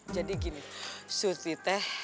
jadi gini surti teh